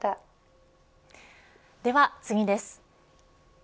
では次です。